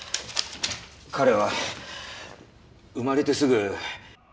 彼は生まれてすぐ。